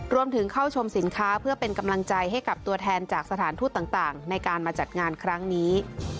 รวมถึงเข้าชมสินค้าเพื่อเป็นกำลังใจให้กับตัวแทนจากสถานทูตต่างในการมาจัดงานครั้งนี้